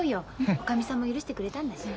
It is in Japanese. おかみさんも許してくれたんだし。